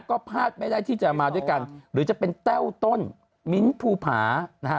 ก็พลาดไม่ได้ที่จะมาด้วยกันหรือจะเป็นแต้วต้นมิ้นท์ภูผานะฮะ